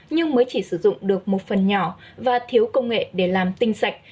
nhưng mới chỉ sử dụng được một phần nhỏ và thiếu công nghệ để làm tinh sạch